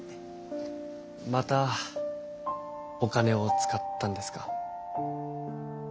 またお金を使ったんですか？